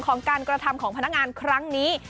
ของการกระทำของพนักงานครั้งนี้